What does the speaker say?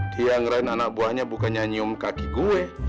dia ngerain anak buahnya bukan nyanyim kaki gue